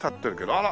あら！